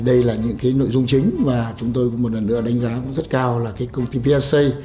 đây là những nội dung chính và chúng tôi một lần nữa đánh giá rất cao là công ty psa